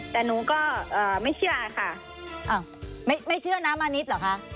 แต่หนูก็ไม่เชื่อค่ะไม่เชื่อน้ำมานิดเหรอคะ